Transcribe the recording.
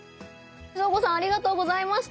そーごさんありがとうございました！